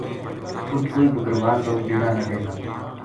اُت کوئی بکروال لوک ڈیرا لَدے تھا